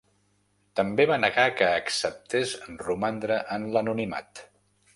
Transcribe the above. També va negar que acceptés romandre en l'anonimat.